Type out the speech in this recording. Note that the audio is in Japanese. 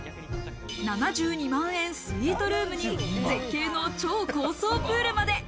７２万円のスイートルームに絶景の超高層プールまで。